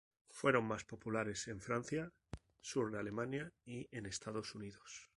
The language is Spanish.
Fueron más populares en Francia, sur de Alemania y en Estados Unidos.